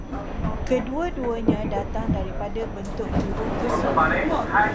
Kedua-duanya datang daripada bentuk huruf besar